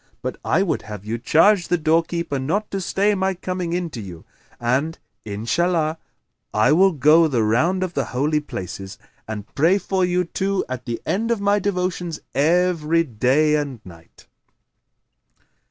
But I would have you charge the doorkeeper not to stay my coming in to you; and, Inshallah! I will go the round of the Holy Places and pray for you two at the end of my devotions every day and night."